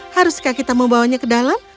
haruskah kita membawanya ke dalam